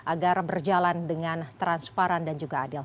agar berjalan dengan transparan dan juga adil